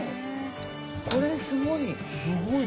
これすごい！